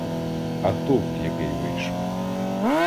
А товк який вийшов?